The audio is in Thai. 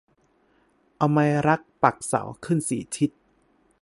เอาไม้รักปักเสาขึ้นสี่ทิศ